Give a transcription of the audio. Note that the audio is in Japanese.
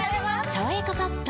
「さわやかパッド」